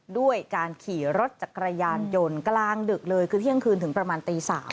ด้วยการขี่รถจักรยานยนต์กลางดึกเลยคือเที่ยงคืนถึงประมาณตี๓